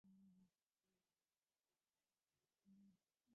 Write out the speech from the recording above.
একজনের আঙুলে একটা কাঁটা বিঁধিয়াছিল, আর একটি কাঁটা সে ইহা তুলিয়া ফেলিল।